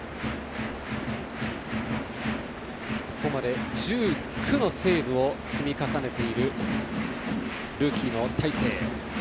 ここまで１９のセーブを積み重ねているルーキーの大勢。